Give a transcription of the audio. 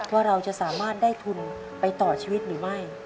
ว่าเราจะสามารถได้ทุนไปต่อชีวิตหรือไม่